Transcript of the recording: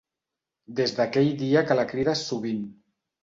Des d'aquell dia que la crides sovint.